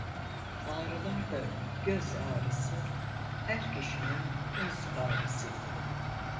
Ağrılarda göz ağrısı, her kişinin öz ağrısı.